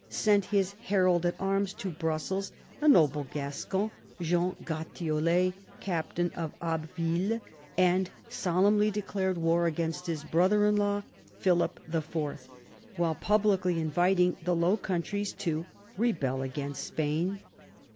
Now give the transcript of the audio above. sent his herald at arms to Brussels — a noble Gascon, Jean GratioUet, Captain of Abbeville — and solemnly declared war against his brother in law, Philip IV., while publicly inviting the Low Countries to rebel against Spain.